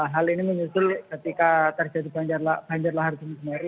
hal ini menyusul ketika terjadi banjir lahar gunung semeru